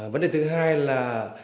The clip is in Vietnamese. vấn đề thứ hai là